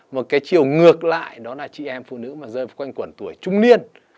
một cái chiều ngược lại đó là chị em phụ nữ mà rơi quanh quẩn tuổi trung niên